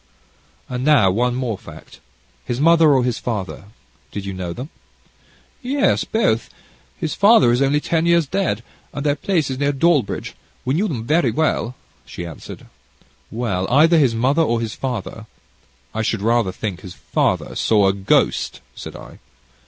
"And, now, one more fact. His mother or his father, did you know them?" "Yes, both; his father is only ten years dead, and their place is near Dawlbridge. We knew them very well," she answered. "Well, either his mother or his father I should rather think his father, saw a ghost," said I.